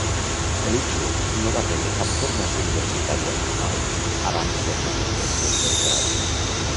Elitzur no va rebre cap formació universitària formal abans de rebre el seu doctorat.